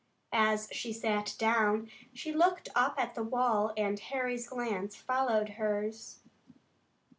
As she sat down she looked up at the wall and Harry's glance followed hers.